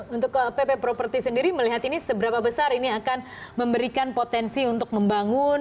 untuk pp properti sendiri melihat ini seberapa besar ini akan memberikan potensi untuk membangun